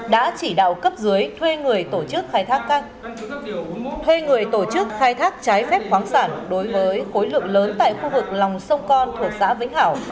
đã chỉ đạo cấp dưới thuê người tổ chức khai thác trái phép khoáng sản đối với khối lượng lớn tại khu vực lòng sông con thuộc xã vĩnh hảo